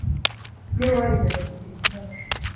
Niba warigeze kugira ikibazo